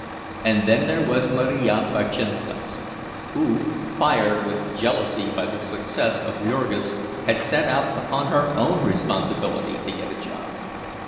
And then there was Marija Berczynskas, who, fired with jealousy by the success of Jurgis, had set out upon her own responsibility to get a place.